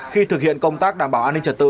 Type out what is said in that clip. khi thực hiện công tác đảm bảo an ninh trật tự